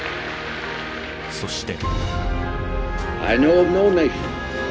そして。